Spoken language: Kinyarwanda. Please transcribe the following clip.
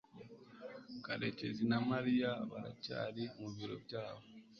karekezi na mariya baracyari mu biro byabo